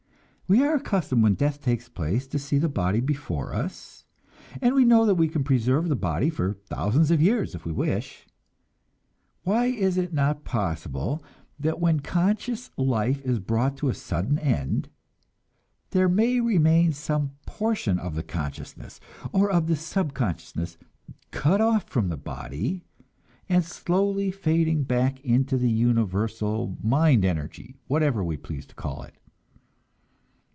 We are accustomed when death takes place to see the body before us, and we know that we can preserve the body for thousands of years if we wish. Why is it not possible that when conscious life is brought to a sudden end, there may remain some portion of the consciousness, or of the subconsciousness, cut off from the body, and slowly fading back into the universal mind energy, whatever we please to call it?